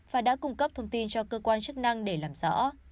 và đã cung cấp thông tin cho cơ quan chức năng để làm rõ